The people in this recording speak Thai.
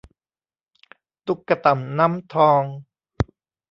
ตุ๊กต่ำน้ำทอง